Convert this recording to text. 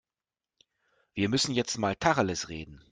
Wir müssen jetzt mal Tacheles reden.